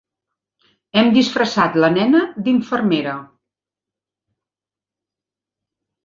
Hem disfressat la nena d'infermera.